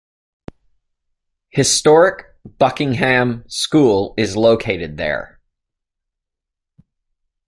Historic Buckingham School is located there.